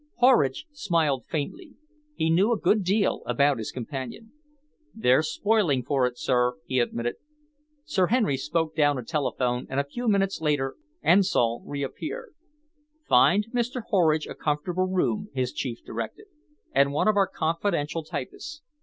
Horridge smiled faintly. He knew a good deal about his companion. "They're spoiling for it, sir," he admitted. Sir Henry spoke down a telephone and a few minutes later Ensol reappeared. "Find Mr. Horridge a comfortable room," his chief directed, "and one of our confidential typists.